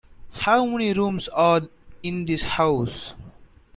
How many rooms are in this house?